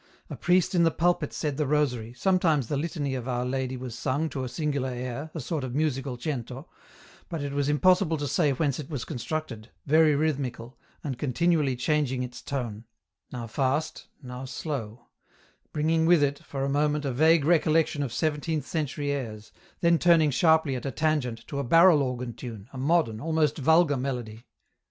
A priest in the pulpit said the rosary, sometimes the Litany of Our Lady was sung to a singular air, a sort of musical cento, but it was impossible to say whence it was constructed, very rhythmical, and continually changing its tone, now fast, now slow, bringing with it, for a moment, a vague recollec tion of seventeenth century airs, then turning sharply at a tangent, to a barrel organ tune, a modern, almost vulgar, melody.